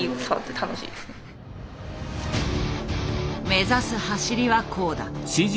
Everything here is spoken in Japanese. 目指す走りはこうだ。